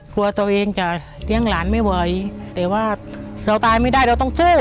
กลัวตัวเองจะเลี้ยงหลานไม่ไหวแต่ว่าเราตายไม่ได้เราต้องเชื่อ